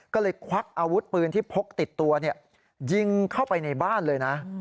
ก็เลยควักอาวุธปืนที่พกติดตัวยิงเข้าไปในบ้านเลยนะ